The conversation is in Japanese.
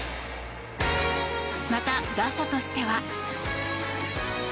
また、打者としては。